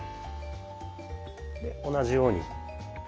で同じように。